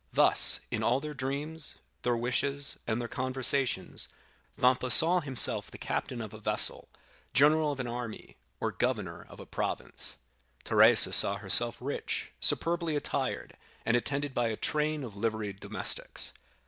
Thus, in all their dreams, their wishes, and their conversations, Vampa saw himself the captain of a vessel, general of an army, or governor of a province. Teresa saw herself rich, superbly attired, and attended by a train of liveried domestics.